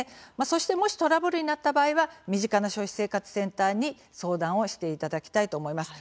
そして、もしトラブルになった場合は身近な消費生活センターに相談をしていただきたいと思います。